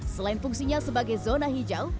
selain fungsinya sebagai zona hijau